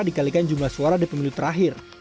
dikalikan jumlah suara di pemilu terakhir